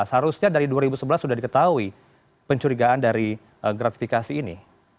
seharusnya dari dua ribu sebelas sudah diketahui pencurigaan dari gratifikasi ini